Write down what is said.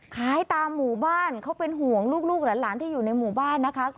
ขายตามหมู่บ้านเขาเป็นห่วงลูกหลานที่อยู่ในหมู่บ้านนะคะ